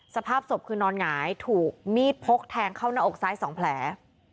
สภาพศพคือนอนหงายถูกมีดพกแทงเข้าหน้าอกซ้าย๒แผล